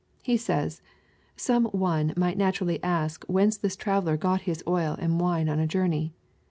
He says, ^^Some one might naturally ask whence this traveller got his oU and wine on a journey